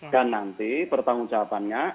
dan nanti pertanggung jawabannya